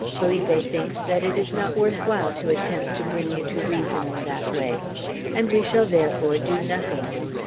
Felipe thinks that it is not worth while to attempt to bring you to reason in that way; and we shall therefore do nothing.